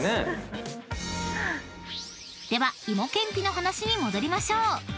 ［では芋けんぴの話に戻りましょう］